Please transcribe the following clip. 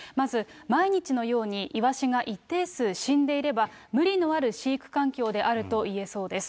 まず毎日のようにイワシが一定数、死んでいれば、無理のある飼育環境であるといえそうです。